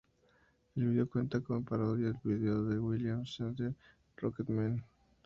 El video cuenta con una parodia al video de William Shatner "Rocket Man".